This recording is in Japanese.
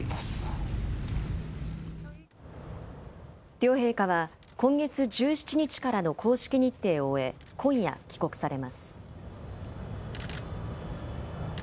両陛下は、今月１７日からの公式日程を終え、今夜、帰国されます。